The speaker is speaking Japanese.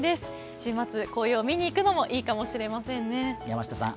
週末、紅葉を見にいくのもいいかもしれませんね。